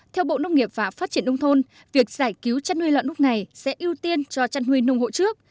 theo bộ nông nghiệp và phát triển nông thôn việc giải cứu chăn nuôi lợn lúc này sẽ ưu tiên cho chăn nuôi nông hộ trước